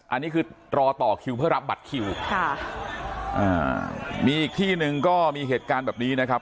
อันนี้คือรอต่อคิวเพื่อรับบัตรคิวค่ะอ่ามีอีกที่หนึ่งก็มีเหตุการณ์แบบนี้นะครับ